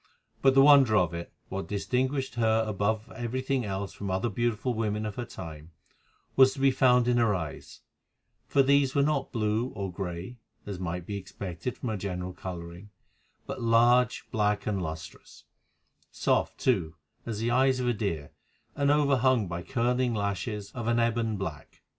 But the wonder of it, what distinguished her above everything else from other beautiful women of her time, was to be found in her eyes, for these were not blue or grey, as might have been expected from her general colouring, but large, black, and lustrous; soft, too, as the eyes of a deer, and overhung by curling lashes of an ebon black.